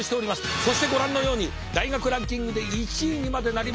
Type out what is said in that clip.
そしてご覧のように大学ランキングで１位にまでなりました。